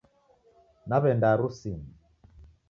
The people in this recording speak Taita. Naw'enda harusinyi